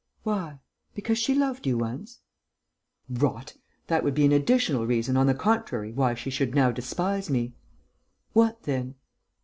"Why? Because she loved you once?" "Rot! That would be an additional reason, on the contrary, why she should now despise me." "What then?"